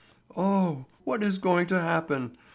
"Oh, what is going to happen?